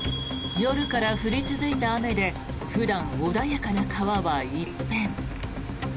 夜から降り続いた雨で普段穏やかな川は一変。